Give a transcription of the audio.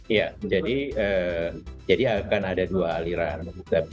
iya jadi akan ada dua aliran